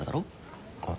あっ。